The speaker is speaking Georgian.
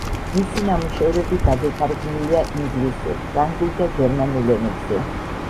მისი ნამუშევრები გადათარგმნილია ინგლისურ, ფრანგულ და გერმანულ ენებზე.